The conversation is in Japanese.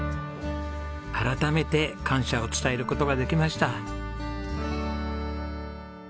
改めて感謝を伝える事ができました。